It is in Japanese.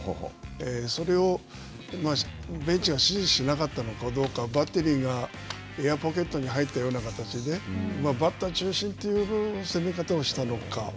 それをベンチが指示しなかったのかどうか、バッテリーがエアポケットに入ったような形で、バッター中心という攻め方をしたのか。